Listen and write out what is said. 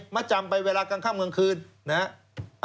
มาจำไปเวลากลางค่ำเงินคืนนะฮะ